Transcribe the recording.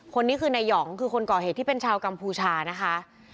คนนี้คือนายหองคือคนก่อเหตุที่เป็นชาวกัมพูชานะคะ